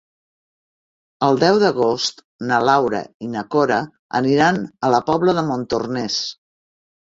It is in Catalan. El deu d'agost na Laura i na Cora aniran a la Pobla de Montornès.